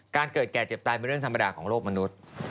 ตายเป็นเรื่องธรรมดาของโลกมนุษย์